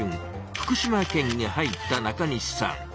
福島県に入った中西さん。